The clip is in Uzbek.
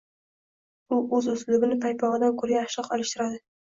U o‘z uslubini paypog‘idan ko‘ra ko‘proq alishtiradi